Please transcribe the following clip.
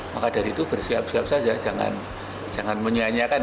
maka dari itu bersiap siap saja jangan menyanyiakan